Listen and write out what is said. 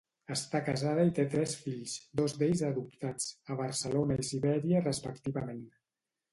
Està casada i té tres fills, dos d'ells adoptats, a Barcelona i Sibèria respectivament.